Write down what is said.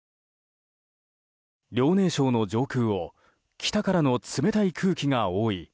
遼寧省の上空を北からの冷たい空気が覆い